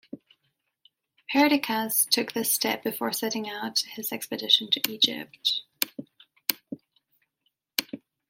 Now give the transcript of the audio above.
Perdiccas took this step before setting out on his expedition to Egypt.